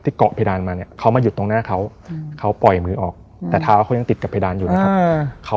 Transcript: เกาะเพดานมาเนี่ยเขามาหยุดตรงหน้าเขาเขาปล่อยมือออกแต่เท้าเขายังติดกับเพดานอยู่นะครับ